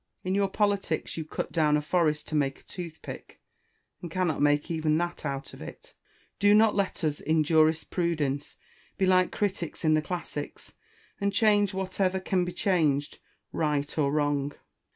In your politics you cut down a forest to make a toothpick, and cannot make even that out of it ! Do not let us in jurisprudence be like critics in the classics, and change whatever can be changed, right or wrong.